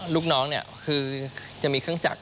ลูกน้องเนี่ยคือจะมีเครื่องจักร